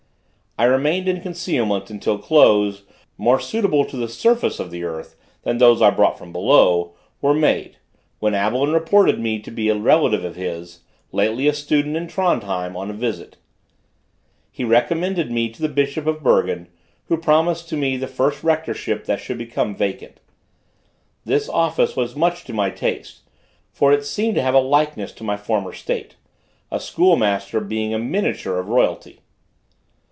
I remained in concealment until clothes, more suitable to the surface of the earth, than those I brought from below, were made, when Abelin reported me to be a relative of his, lately a student in Trondhjim, on a visit. He recommended me to the bishop of Bergen, who promised to me the first rectorship that should become vacant. This office was much to my taste, for it seemed to have a likeness to my former state, a school master being a miniature of royalty.